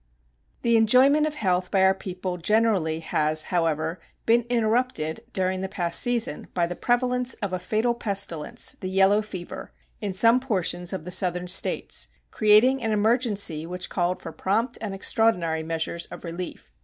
The enjoyment of health by our people generally has, however, been interrupted during the past season by the prevalence of a fatal pestilence (the yellow fever) in some portions of the Southern States, creating an emergency which called for prompt and extraordinary measures of relief.